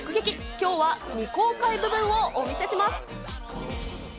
きょうは未公開部分をお見せします。